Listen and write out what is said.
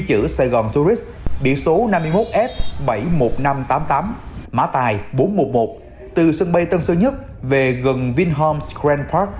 chữ sài gòn tourist biển số năm mươi một f bảy mươi một nghìn năm trăm tám mươi tám mã tài bốn trăm một mươi một từ sân bay tân sơn nhất về gần vinhoms grand park